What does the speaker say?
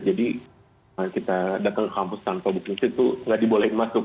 jadi kalau kita datang ke kampus tanpa king seat itu tidak diboleh masuk